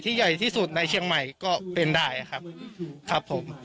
ใหญ่ที่สุดในเชียงใหม่ก็เป็นได้ครับครับผม